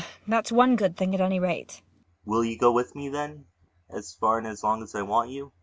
that's one good thing, at any rate! ULFHEIM. Will you go with me, then as far and as long as I want you?